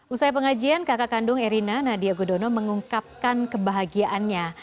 usai pengajian kakak kandung erina nadia gudono mengungkapkan kebahagiaannya